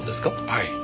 はい。